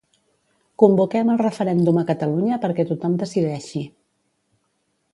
Convoquem el referèndum a Catalunya perquè tothom decideixi.